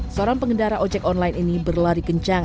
seorang pengendara ojek online ini berlari kencang